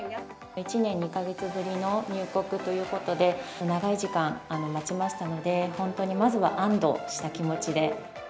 １年２か月ぶりの入国ということで、長い時間待ちましたので、本当にまずは安どした気持ちで。